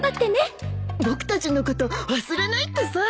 僕たちのこと忘れないってさ。